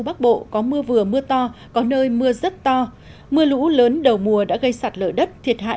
bắc bộ có mưa vừa mưa to có nơi mưa rất to mưa lũ lớn đầu mùa đã gây sạt lở đất thiệt hại